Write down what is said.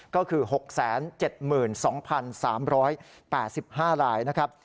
ก็คือ๖๗๒๓๘๕รายนะครับ